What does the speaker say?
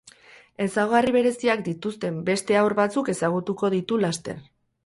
Ezaugarri bereziak dituzten beste haur batzuk ezagutuko ditu laster.